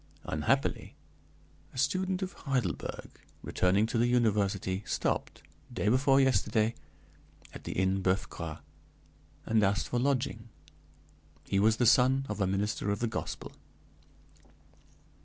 Unhappily, a student of Heidelberg, returning to the university, stopped, day before yesterday, at the Inn Boeuf Gras, and asked for lodging. He was the son of a minister of the gospel.